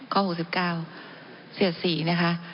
ข้อ๖๙เสียดสีนะคะ